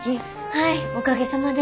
はいおかげさまで。